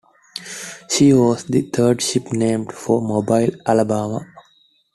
She was the third ship named for Mobile, Alabama.